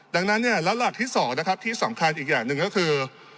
ดังนั้นเนี่ยแล้วหลักที่๒นะครับที่สำคัญอีกอย่างหนึ่งก็คือ